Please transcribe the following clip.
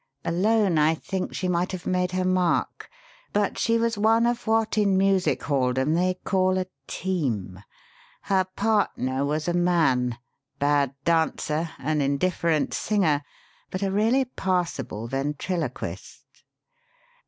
Alone, I think she might have made her mark; but she was one of what in music halldom they call 'a team.' Her partner was a man bad dancer, an indifferent singer, but a really passable ventriloquist."